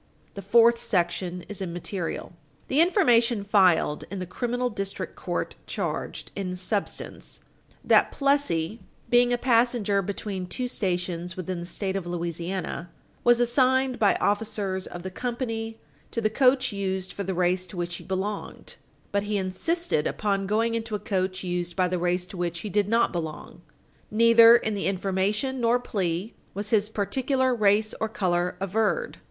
The fourth section is immaterial. The information filed in the criminal District Court charged in substance that Plessy, being a passenger between two stations within the State of Louisiana, was assigned by officers of the company to the coach used for the race to which he belonged, but he insisted upon going into a coach used by the race to which he did not belong. Neither in the information nor plea was his particular race or color averred.